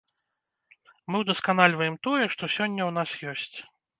Мы ўдасканальваем тое, што сёння ў нас ёсць.